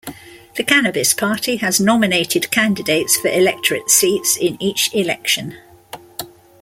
The Cannabis Party has nominated candidates for electorate seats in each election.